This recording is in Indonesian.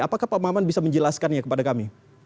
apakah pak maman bisa menjelaskannya kepada kami